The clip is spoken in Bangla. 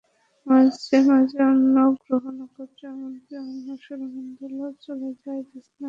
মাঝে মাঝে অন্য গ্রহ-নক্ষত্র এমনকি অন্য সৌরমণ্ডলেও চলে যাই জোছনার খোঁজে।